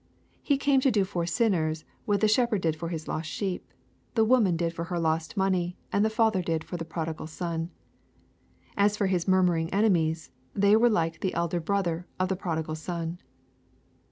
He came to do for sinners what the shepherd did for his lost sheep, the woman did for her lost money, and the father did for the prodigal son. As for His murmuring eAemies, they were like the elder brother of the prodigal son.